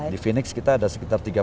di phoenix kita ada sekitar tiga puluh